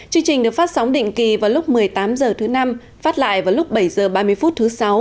chương trình được phát sóng định kỳ vào lúc một mươi tám h thứ năm phát lại vào lúc bảy h ba mươi phút thứ sáu